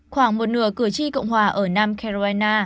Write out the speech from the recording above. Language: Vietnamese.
khoảng một nửa cử tri cộng hòa ở nam carolina